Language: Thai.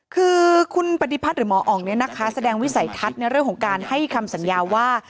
คือคุณปฏิพัฒน์หรือหมออ๋องเนี่ยนะคะแสดงวิสัยทัศน์ในเรื่องของการให้คำสัญญาว่า